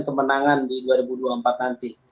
kemenangan di dua ribu dua puluh empat nanti